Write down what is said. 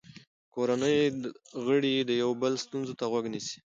کورنۍ غړي د یو بل ستونزو ته غوږ نیسي